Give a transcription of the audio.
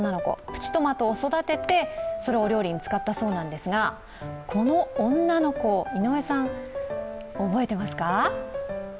プチトマトを育ててそれを料理に使ったそうなんですがこの女の子、井上さん覚えてますか？